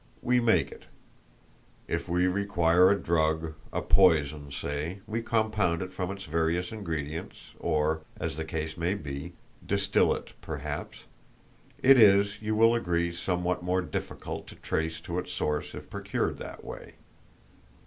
We make it. If we require a drug, a poison, say, we compound it from its various ingredients, or, as the case may be, distil it, perhaps it is, you will agree, somewhat more difficult to trace to its source if procured that way.